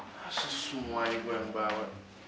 masa semuanya gue yang bawa